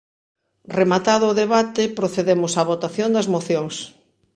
Rematado o debate, procedemos á votación das mocións.